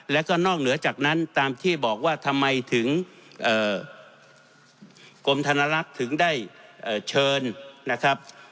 แล้วก็นอกเหนือจากนั้นตามที่บอกว่าทำไมถึงกรมธนลักษณ์ถึงได้เชิญนะครับ